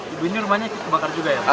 ibu ini rumahnya kebakar juga ya